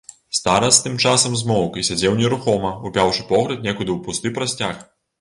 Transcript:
Старац тым часам змоўк і сядзеў нерухома, упяўшы погляд некуды ў пусты прасцяг.